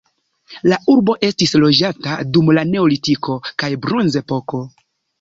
La urbo estis loĝata dum la neolitiko kaj bronzepoko.